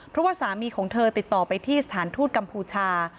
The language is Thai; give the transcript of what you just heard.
เพราะว่าสามีของเธอติดต่อไปที่สถานทูตกัมพูชา